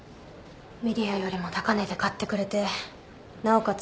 ＭＥＤＩＡよりも高値で買ってくれてなおかつ